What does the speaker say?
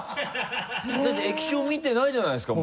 だって液晶見てないじゃないですか！